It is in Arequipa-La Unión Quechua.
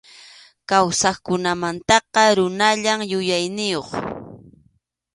Kawsaqkunamantaqa runallam yuyayniyuq.